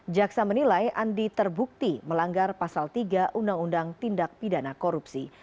jaksa menilai andi terbukti melanggar pasal tiga undang undang tindak pidana korupsi